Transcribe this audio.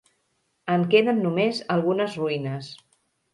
En queden només algunes ruïnes.